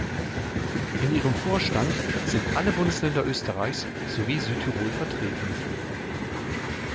In ihrem Vorstand sind alle Bundesländer Österreichs sowie Südtirol vertreten.